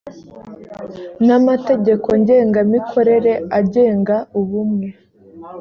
n amategeko ngengamikorere agenga ubumwe